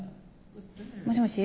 もしもし？